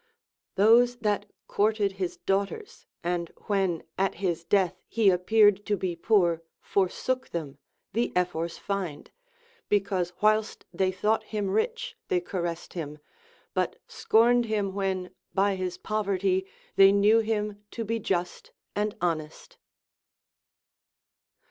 Those that courted his daughters, and when at his death he appeared to be poor forsook them, the Ephors fined, because whilst they thought him rich they caressed him, but scorned him when by his poverty they knew him to be just and honest.